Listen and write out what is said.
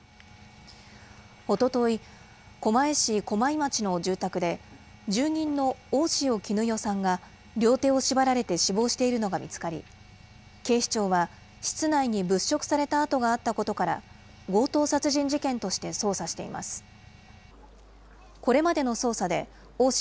おととい、狛江市駒井町の住宅で、住人の大塩衣與さんが、両手を縛られて死亡しているのが見つかり、警視庁は室内に物色された跡があったことから、強盗殺人事件として捜査しています。